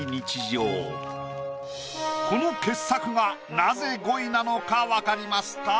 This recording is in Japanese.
この傑作がなぜ５位なのかわかりますか？